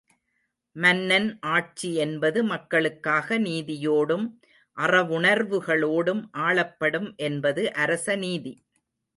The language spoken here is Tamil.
மன்னன் ஆட்சி என்பது மக்களுக்காக நீதியோடும், அறவுணர்வுகளோடும் ஆளப்படும் என்பது அரச நீதி.